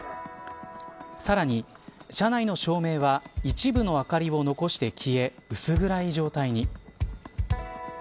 さらに、車内の照明は一部の明かりを残して消え薄暗い状態に。